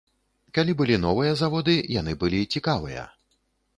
Калі былі новыя заводы, яны былі цікавыя.